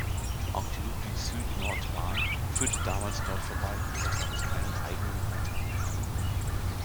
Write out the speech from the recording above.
Auch die Ludwig-Süd-Nord-Bahn führte damals dort vorbei, jedoch gab es keinen eigenen Haltepunkt.